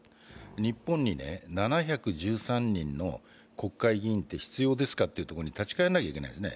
日本に７１３人の国会議員って必要ですかっていうところに立ち返らなければいけないですね